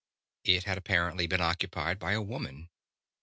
It had apparently been occupied by a woman.